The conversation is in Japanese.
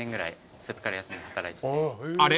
［あれ？